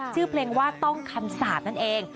ชื่อเพลงว่าต้องคำสาปนั่นเอง